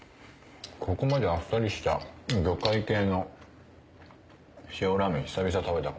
ここまであっさりした魚介系の塩ラーメン久々食べたかも。